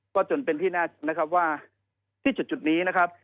ก็จนเป็นที่แน่นะครับว่าที่จุดนี้นะครับ